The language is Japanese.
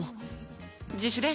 自主練？